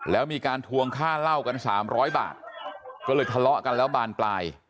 แล้วมีการทวงค่าเหล้ากันสามร้อยบาทก็เลยทะเลาะกันแล้วบานปลาย